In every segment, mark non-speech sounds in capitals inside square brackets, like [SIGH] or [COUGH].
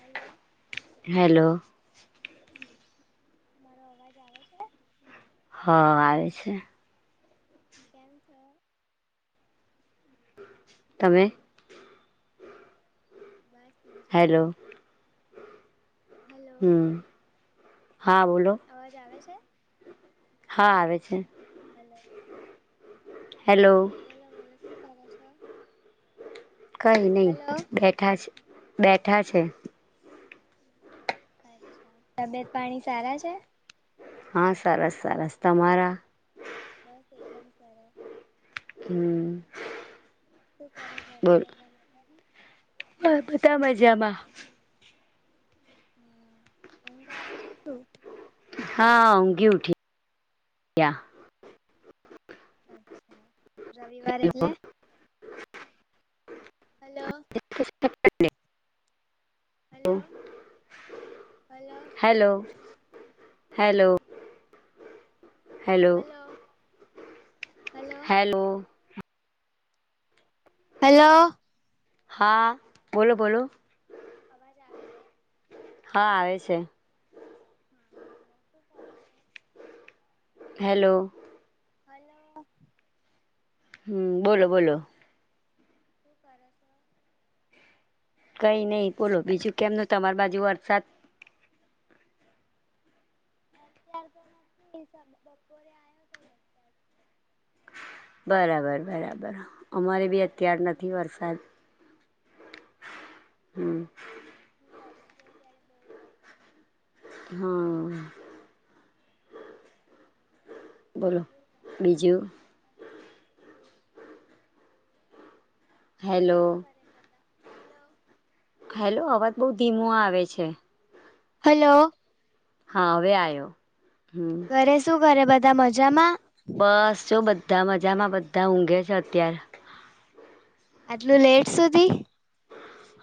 Hello hello મારો અવાજ આવે છે? હ આવે છે. કેમછો? તમે? બસ મજામાં હેલો હલો હમ હા બોલો. અવાજ આવે છે? હા આવે છે. હાલો. હેલો બોલો બોલો શું કરો છો? કઈ નહીં હલો બેઠા છે બેઠા છે અચ્છા તબિયત પાણી સારા છે? હા સરસ સરસ, તમારા? બસ એકદમ સરસ હમ શું કરે ઘરે બધા મજામાં? હ બતા મજામાં. હમ ઊઘ આવે છે શું? હા ઊંઘી ઉઠી અચ્છા રવિવાર એટલે hello [UNINTELLIGIBLE] hello hello hello hello hello hello hello hello હા બોલો બોલો અવાજ આવે છે? હા આવે છે. હા બોલો શું કરો છે? હેલો. હલો. હમમ બોલો બોલો. શું કરો છો? કઈ નય બોલો બીજું કેમનું તમારી બાજુ વરસાદ. અત્યાર તો નથી બપોરે આયો તો વરસાદ. બરાબર બરાબર અમારે બી હતો વરસાદ અત્યાર તમારે ત્યાં કેમ નથી વરસાદ. હમમ. હું કોલેજ જઈ ત્યારે બો વરસાદ આવ્યો હા. હતો કેવું ચાલે બોલો બીજું બીજું? ઘરે હેલો શું કરે બધા? હલો. હલો અવાજ બઉ ધીમો આવે છે. હલો. હા હવે આયો. ઘરે શું કરે બધા મજામાં? બસ જો બધા મજામાં, બધા ઊંઘે છે અત્યારે. આટલું લેટ સુધી.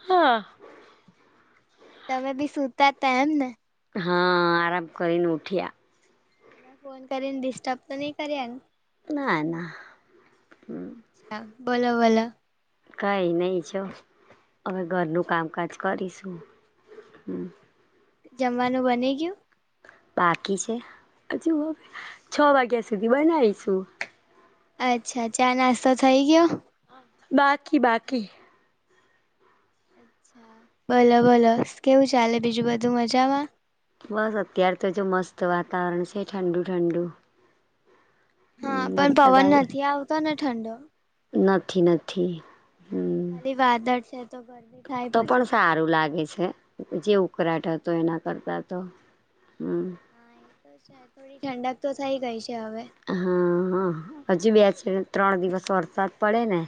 હા. તમે બી સુતા હતા એમ ને. હા આરામ કરીને ઉઠ્યા. મેં ફોન કરીને ડિસ્ટર્બ તો ની કર્યા ને. ના ના હમમ. બોલો બોલો. કઈ નઈ જો હવે ઘરનું કામકાજ કરીશું હમમ. જમવાનું બની ગીયું? બાકી છે. હજુ છ વાગ્યા સુધી બનાવીશું. અચ્છા ચા નાસ્તો થઈ ગયો. બાકી બાકી. અચ્છા બોલો બોલો કેવું ચાલે બીજું બધું મજામાં. બસ અત્યારે તો જો મસ્ત વાતાવરણ છે ઠંડુ ઠંડુ. હા પણ વરસાદ પવન આવે નથી આવતો ને ઠંડો. નથી નથી. હમ ખાલી વાદળ છે તો ગરમી થાય તો પણ પછી સારું લાગે છે જે ઉકળાટ હતો એના કરતા તો હમમ. હા એ તો છે થોડી ઠંડક તો થઈ ગઈ છે હવે. હા હા હજી બે છે ત્રણ દિવસ વરસાદ પડે ને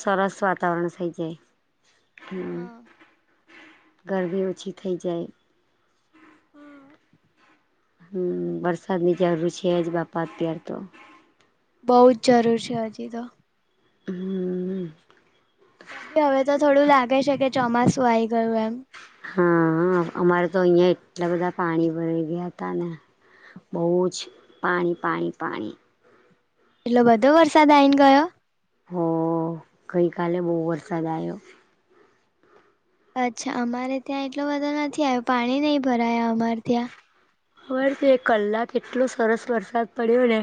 સરસ વાતાવરણ થઈ જાય. હમમ હા ગરમી ઓછી થઈ જાય. હા. હમમ વરસાદની જરૂર છે જ બાપા અત્યારે તો બોજ જરૂર છે હજી તો હમમ. ત બી હવે તો થોડું લાગે છે કે ચોમાસું આઈ ગયું એમ હા અમારે તો અહિયાં એટલા બધા પાણી ભરા ગયા હતા ને બહુ જ પાણી પાણી પાણી એટલો બધો વરસાદ આ આવીને ગયો હ ગઈ કાલે બહુ વરસાદ આવ્યો અચ્છા અમારે ત્યાં એટલો બધો નથી આવ્યો પાણી નહીં ભરાયા અમારે ત્યાં ખર તો એક કલાક એટલો સરસ વરસાદ પડ્યો ને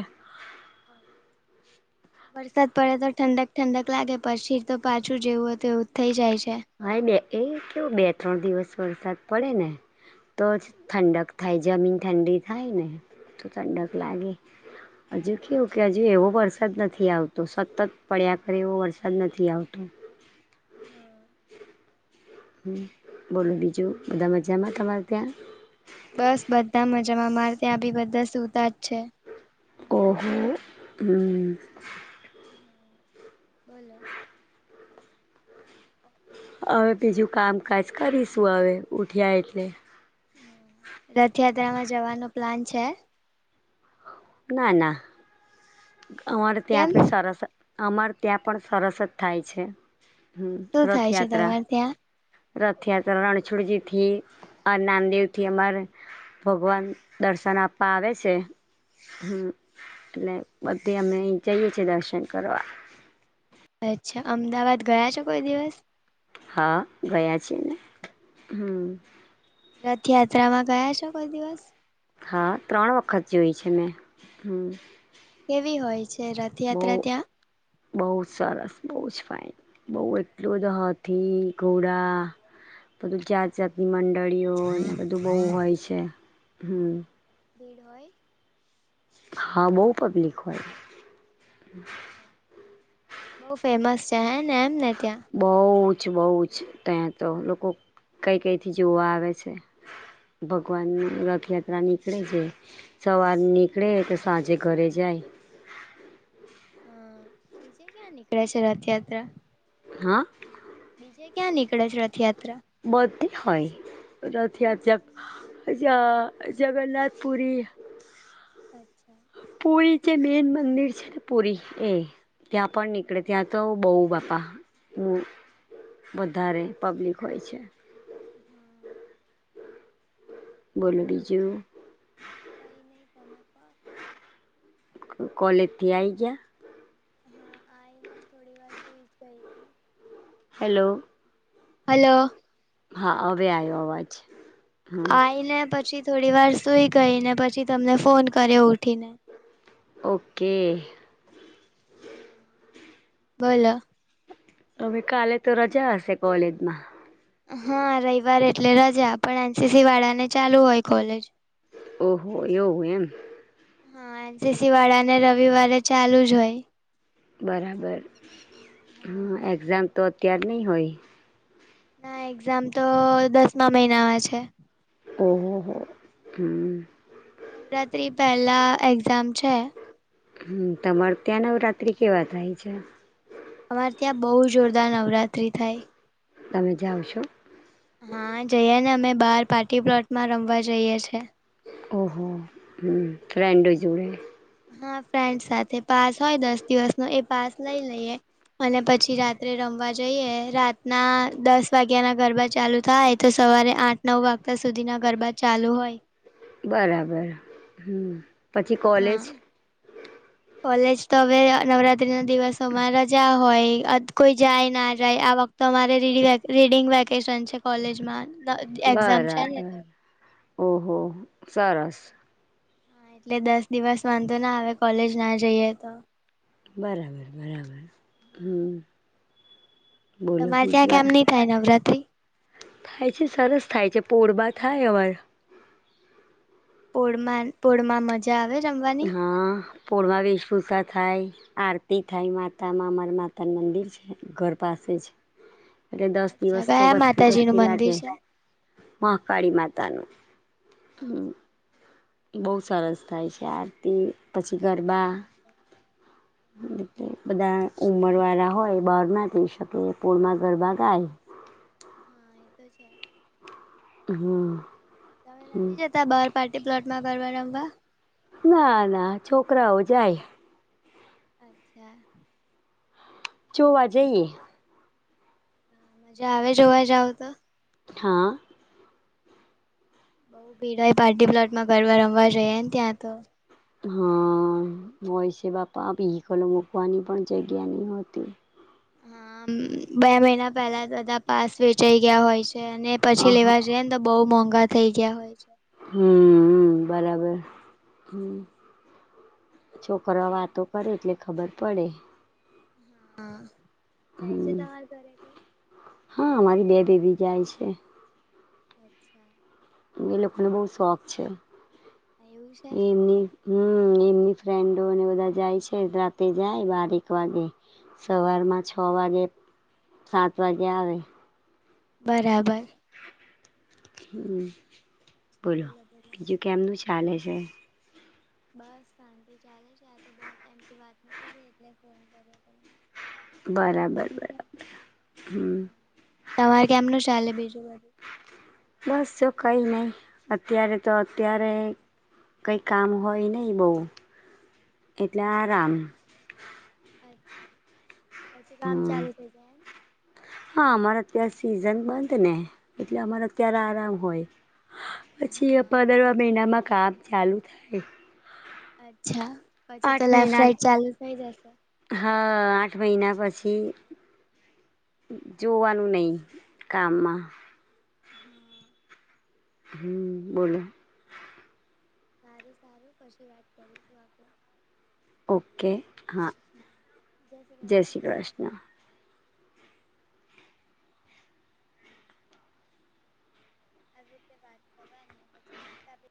વરસાદ પડે તો ઠંડક ઠંડક લાગે પછીર તો પાછું જેવું હોય એવું થઇ જાય છે ભાઈ બે એ કેવું બે ત્રણ દિવસ વરસાદ પડે ને તો જ ઠંડક થાય જમીન ઠંડી થાય ને તો ઠંડક લાગે હજુ કેવું કે હજુ એવો વરસાદ નથી આવતો સતત પડ્યા કર એવો વરસાદ નથી આવતો [UNINTELLIGIBLE] હ બોલો બીજું બધા મજામાં તમારે ત્યાં બસ બધા મજામાં અમારે ત્યાં બી બધા સુતા જ છે કો હો હમ્મ બોલો હવે બીજું કામકાજ કરીશું હવે ઉઠ્યા એટલે રથયાત્રામાં જવાનો પ્લાન છે. ના ના અમારે ત્યાં કેમ પણ સરસ અમાર ત્યાં પણ સરસ જ થાય છે. હમ્મ શું થાય છે રથયાત્રા તમારે ત્યાં રથયાત્રા રણછોડજી થી અ નામદેવથી અમાર ભગવાન દર્શન આપવા આવે છે. હમ્મ એટલે બધે અમે જઈએ છીએ દર્શન કરવા. અચ્છા અમદાવાદ ગયા છો કોઈ દિવસ હા ગયા છે ને હમ્મ રથયાત્રામાં ગયા છો કોઈ દિવસ હા ત્રણ વખત જોઈ છે મેં હમ્મ કેવી હોય છે રથયાત્રા ત્યાં બઉ જ સરસ બઉ જ ફાાઈન બઉ એટલું જ હાથી ઘોડા બધું જાત જાતની મંડળીઓ બધું બોવ હોય છે હમ્મ ભીડ હોય હા બહુ પબ્લિક હોય. બહુ ફેમસ છે હે ને એમ ને ત્યાં બહુ જ બહુ જ ત્યાં તો લોકો કઈ કઈથી જોવા આવે છે. ભગવાનની રથયાત્રા નીકળે છે. સવાર નીકળે તો સાંજે ઘરે જાય. હા બીજે ક્યાં નીકળે છે રથયાત્રા. હા. બીજે ક્યાં નીકળે છે રથયાત્રા બધે હોય રથયાત્રા જગન્નાથપુરી અચ્છા પુરી જે મેન મંદિર છે ને પુરી એ ત્યાં પણ નીકળે ત્યાં તો બઉ બાપા વધારે પબ્લિક હોય છે. હમ. બોલો કઈ નહી તમે કો. કોલેજથી આવી ગયા? હા આઈ ને થોડી વાર સુઈ જ ગઈ હતી. હેલો. હલો. હા હવે આવ્યો અવાજ. હમ આવીને પછી થોડી વાર સુઈ ગઈ ને પછી તમને ફોન કર્યો ઉઠીને. ઓકે બોલો તમે કાલે તો રજા હશે કોલેજમાં? હા રવિવાર એટલે રજા પણ એન સી સી વાળા ને ચાલુ હોય કોલેજ ઓહો એવુ એમ. હા એન સી સી વાળાને રવિવારે ચાલુ જ હોય. બરાબર હ એક્ઝામ તો અત્યાર તો નઈ હોય. ના એક્ઝામ તો દસમા મહિનામાં છે. ઓહો હો હમ. રાત્રિ પહેલાં એક્ઝામ છે. હમ તમારે ત્યાં નવરાત્રી કેવા થાય છે? અમારે ત્યાં બહુ જોરદાર નવરાત્રિ થાય. તમે જાઓ છો? હા જઈએ ને અમે બાર પાર્ટી પ્લોટમાં રમવા જઈએ છીએ. ઓહ હમ ફ્રન્ડો જોડે. હા ફ્રેન્ડ સાથે પાસ હોય દસ દિવસ નો એ પાસ લઈ લઈએ. અને પછી રાત્રે રમવા જઈએ રાતના દસ વાગ્યા ના ગરબા ચાલુ થાય તો સવારે આઠ નવ વાગ્યા સુધી ના ગરબા ચાલુ હોય. બરાબર હમ. પછી કોલેજ હા કોલેજ તો હવે નવરાત્રી ના દિવસોમાં રજા હોય અથ કોઈ જાય ના જાય આ વખતે અમારે ર રીડિંગ વેકેશન છે કોલેજમાં. દ એક્ઝામ છે ને બરાબર ઓહો સરસ હા, એટલે દસ દિવસ વાંધો ના આવે કોલેજ ના જઈએ તો. બરાબર બરાબર હમ. બોલો તમારે ત્યાં બીજું વા કેમ ની થાય નવરાત્રી? થાય છે સરસ થાય છે પોરબા થાય અમાર પોળમાં પોળમાં મજા આવે રમવાની? હા પોળમાં વેશભૂષા થાય. આરતી થાય માતા મા અમાર માતા મંદિર છે ઘર પાસે જ એટલે દસ અચ્છા દિવસ તો કયા વસ્તી માતાજી નું વસ્તી મંદિર લાગે. છે હા મહાકાળી માતા નું હ બહુ સરસ થાય છે આરતી પછી ગરબા એ બધા ઉમર વાળા હોય બહાર ના જઈ શકે પોળમાં ગરબા ગાય. હા એતો છે હમ તમે હમ નથી જતા બાર? પાર્ટી પ્લોટમાં ગરબા રમવા? ના ના છોકરાઓ જાય. અચ્છા જોો વા જઈએ. હજ આવે જોવા જાાવ તો હા બઉુ પીડા પાર્ટી પ્લોટમાં ઘર રમવા જ ને ત્યાં તો હા હોય છે બાપા વિહીકલો મૂકવાની પણ જગ્યા નહ હોતી. હા બે મહિના પહેલા બધા પાસ વેચાઈ ગયા હોય છે અને પછી અહ લેવા ટ્રેન તો બહુ મોંઘા થઇ ગયા હોય છે. હમ બરાબર હ છોકરો વાતો કરે એટલે ખબર પડે હા જાય છે હમ્મ તમા હર દ્વારથી. હા અમારી બે દેવી જાય છે. અચ્છા એ લોકોને બહુ શોખ છે, એવું છે એ એમની હમ એમની ફ્રેન્ડોને બધા જાય છે રાતે જાય બારેક વાગે સવારમા, વાગે સાત વાગે આવે બરાબર હ બોલો બીજુ કેમનુ ચાલે છે. બસ શાંતિ ચાલે છે, આ તો બઉ ટાઈમથી વા નથી થઈ એટલે ફોન કર્યો તને બરાબર બરાબર હમ્મ હા તમારે કેમનુ ચાલે બીજુ બાુ બસ જો કઈ નહી, અત્યારે તો અત્યારે કઈ કામ હોય નહ બઉ એટલે હા આરામ અચ્છા પછી કામ હમ ચાલુ થઈ જાયમ. હા અમારા તં સિઝન બંધ ને એટલે અમારા ત્યારે આરામ હોય. એમ. પછી હા એ તો પંદરવા છે મહિનામાં કામ ચાલુ થાય. અચ્છા પછી તો આઠ લેફ્ટ મહિના રાઈટ ચાલુ થઈ જશે. હા આઠ મહિના પછી. જોવાનુ નહી કામમા હમ્મ હમ બોલો સારું સારું કછી વાત કરીું છુ, આપુ ઓકે હા જય શ્રી કૃષ્ણ આવી રીતે વાત કરવાની પછી